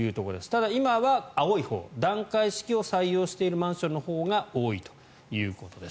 ただ、今は青いほう段階式を採用しているマンションのほうが多いということです。